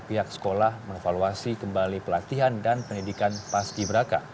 pihak sekolah mengevaluasi kembali pelatihan dan pendidikan paski beraka